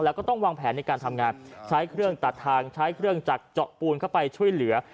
แล้วก็ต้องวางแผนในการทำงานใช้เครื่องตัดทางใช้เครื่องจักรเจาะปูนเข้าไปช่วยเหลือ